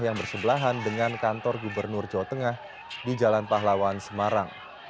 yang bersebelahan dengan kantor gubernur jawa tengah di jalan pahlawan semarang